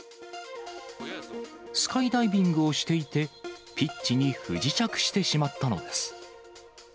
スカイダイビングをしていて、ピッチに不時着してしまったのです。